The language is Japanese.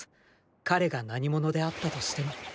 彼が何者であったとしても。